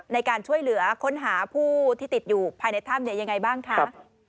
ในการช่วยเหลือค้นหาผู้ที่ติดอยู่ภายในถ้ำเนี่ยยังไงบ้างคะ